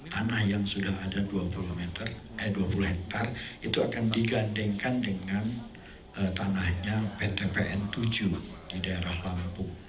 tanah yang sudah ada dua puluh hektare itu akan digandengkan dengan tanahnya ptpn tujuh di daerah lampung